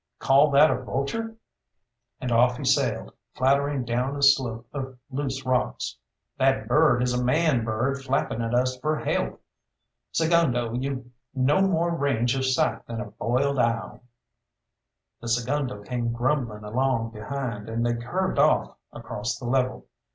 "Call that a vulture?" and off he sailed, clattering down a slope of loose rocks. "That bird is a man bird flapping at us for help. Segundo, you've no more range of sight than a boiled owl." The segundo came grumbling along behind, and they curved off across the level.